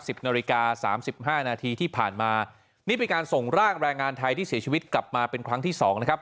นาฬิกาสามสิบห้านาทีที่ผ่านมานี่เป็นการส่งร่างแรงงานไทยที่เสียชีวิตกลับมาเป็นครั้งที่สองนะครับ